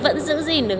vẫn giữ gìn được